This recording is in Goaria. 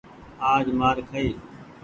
آج مآر کآئي۔